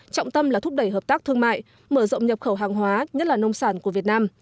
trọng tâm là thúc đẩy hợp tác thương mại mở rộng nhập khẩu hàng hóa nhất là nông sản của việt nam